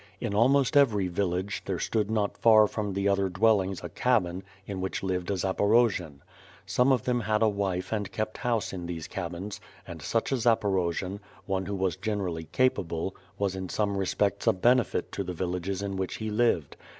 In almost every village^ ther*> stood not far from the other dwellings a cabin, in which lived a Zaporojian. Some of them had a wife and kept house in these cabins, and such a Zaporojian, one who was generally capable, was in some re spects a benefit to the villages in which he lived.